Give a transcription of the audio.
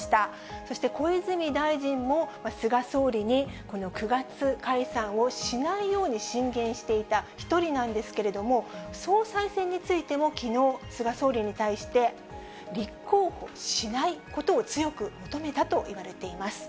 そして小泉大臣も菅総理に９月解散をしないように進言していた一人なんですけれども、総裁選についてもきのう、菅総理に対して、立候補しないことを強く求めたといわれています。